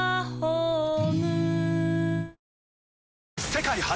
世界初！